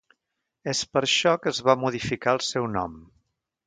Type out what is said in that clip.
És per això que es va modificar el seu nom.